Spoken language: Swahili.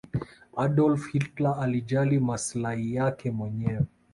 adolf hilter alijali masilai yake mwenyewe